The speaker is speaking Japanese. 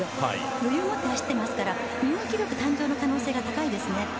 余裕を持って走っているぐらいですから日本記録誕生の可能性が高いですね。